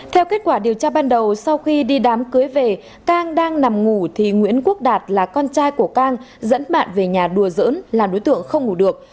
theo kết quả điều tra ban đầu sau khi đi đám cưới về cang đang nằm ngủ thì nguyễn quốc đạt là con trai của cang dẫn bạn về nhà đùa dỡn là đối tượng không ngủ được